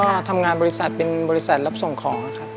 ก็ทำงานบริษัทเป็นบริษัทรับส่งของนะครับ